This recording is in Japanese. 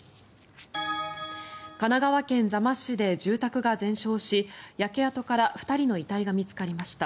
神奈川県座間市で住宅が全焼し焼け跡から２人の遺体が見つかりました。